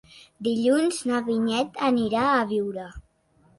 Dilluns na Vinyet anirà a Biure.